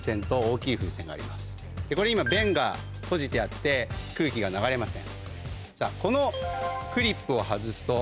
今弁が閉じてあって空気が流れません。